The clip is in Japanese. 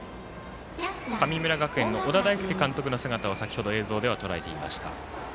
神村学園の小田大介監督の姿を先ほど映像でとらえていました。